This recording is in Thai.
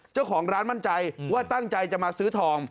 เจ้าของร้านมั่นใจว่าตั้งใจจะมาซื้อทอง